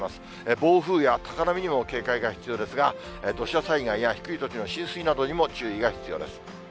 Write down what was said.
暴風や高波にも警戒が必要ですが、土砂災害や低い土地の浸水などにも注意が必要です。